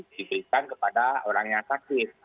diberikan kepada orang yang sakit